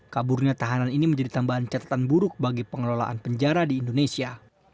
kaburnya tahanan ini menjadi tambahan catatan buruk bagi pengelolaan penjara di indonesia